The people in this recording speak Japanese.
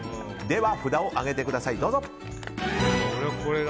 では、札を上げてください。